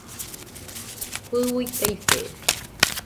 Fɨui taifede